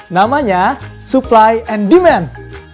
namanya supply and demand